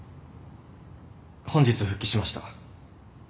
本日復帰しました。